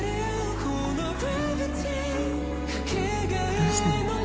どうしたの？